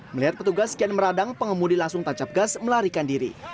melihat petugas kian meradang pengemudi langsung tancap gas melarikan diri